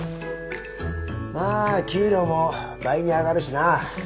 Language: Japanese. まあ給料も倍に上がるしな。